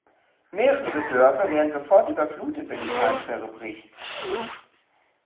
Mehrere Dörfer wären sofort überflutet, wenn die Talsperre bricht.